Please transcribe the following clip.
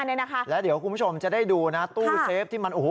เนี่ยนะคะแล้วเดี๋ยวคุณผู้ชมจะได้ดูนะตู้เซฟที่มันโอ้โห